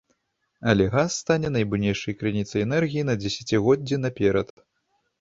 Але газ стане найбуйнейшай крыніцай энергіі на дзесяцігоддзі наперад.